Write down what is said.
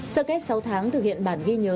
sau kết sáu tháng thực hiện bản ghi nhớ